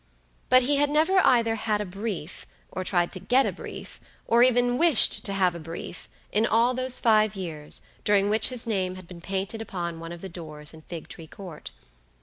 But he had never either had a brief, or tried to get a brief, or even wished to have a brief in all those five years, during which his name had been painted upon one of the doors in Figtree Court.